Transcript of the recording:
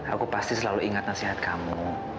aku pasti selalu ingat nasihat kamu